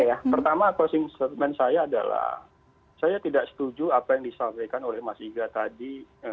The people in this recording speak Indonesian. ya pertama closing statement saya adalah saya tidak setuju apa yang disampaikan oleh mas iga tadi